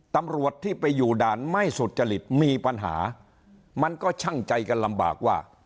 ตำรวจที่ไปอยู่ด่านไม่สุจริตมีปัญหามันก็ช่างใจกันลำบากว่า